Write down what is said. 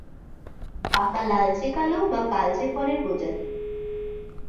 পাকা লালচে কালো বা কালচে ফলের প্রজাতি।